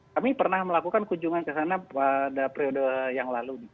kami pernah melakukan kunjungan ke sana pada periode yang lalu